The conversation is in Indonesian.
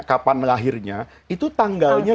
kapan lahirnya itu tanggalnya